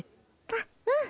あっうん。